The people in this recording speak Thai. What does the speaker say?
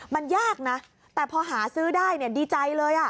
มันยากนะแต่พอหาซื้อได้ดีใจเลย